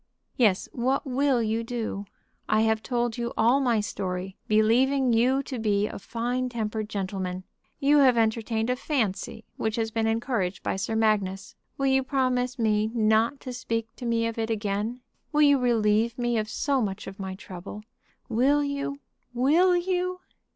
"Yes; what will you do? I have told you all my story, believing you to be a fine tempered gentleman. You have entertained a fancy which has been encouraged by Sir Magnus. Will you promise me not to speak to me of it again? Will you relieve me of so much of my trouble? Will you; will you?"